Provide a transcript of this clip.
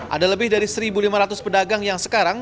ada lebih dari satu lima ratus pedagang yang sekarang